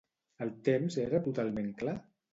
El temps era totalment clar?